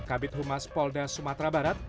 kabit humas polda sumatera barat